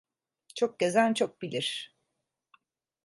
Çok gezen çok bilir.